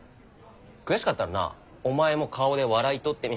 悔しかったらなお前も顔で笑い取ってみ。